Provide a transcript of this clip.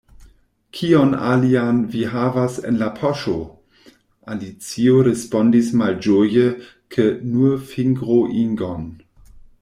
“Kion alian vi havas en la poŝo?” Alicio respondis malĝoje ke “nur fingroingon.”